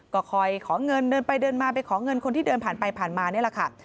ก็คอยขอเงินเดินไปเดินมาไปขอเงินคนที่เดินผ่านไปผ่านมานี่แหละค่ะ